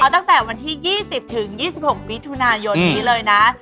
ตั้งแต่วันที่๒๐ถึง๒๖มิถุนายนนี้เลยนะ